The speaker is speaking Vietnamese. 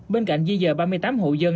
bên cạnh di dời ba mươi tám hộ dân